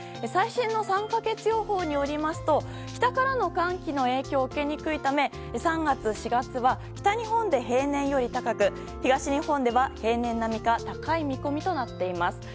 最新の３か月予報によりますと北からの寒気の影響を受けにくいため３月、４月は北日本で平年より高く東日本では平年並みか高い見込みとなっています。